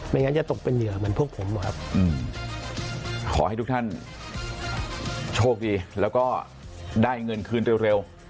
งั้นจะตกเป็นเหยื่อเหมือนพวกผมครับขอให้ทุกท่านโชคดีแล้วก็ได้เงินคืนเร็ว